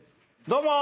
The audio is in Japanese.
どうも！